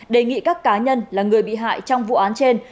đề nghị các cá nhân là người bị hại trong vụ án trên